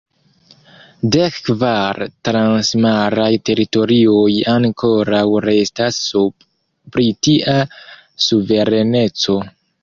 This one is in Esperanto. Dekkvar transmaraj teritorioj ankoraŭ restas sub Britia suvereneco.